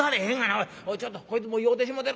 おいちょっとこいつもう酔うてしもうてる。